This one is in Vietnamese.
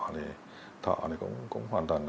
thì thọ cũng hoàn toàn